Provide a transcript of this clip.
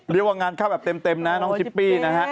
เรียกว่างานเข้าแบบเต็มนะน้องชิปปี้นะฮะ